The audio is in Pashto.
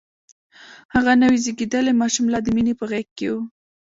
هغه نوی زيږدلی ماشوم لا د مينې په غېږ کې و.